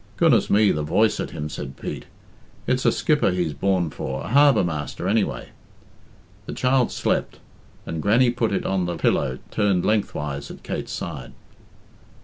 "Goodness me, the voice at him!" said Pete. "It's a skipper he's born for a harbour master, anyway." The child slept, and Grannie put it on the pillow turned lengthwise at Kate's side.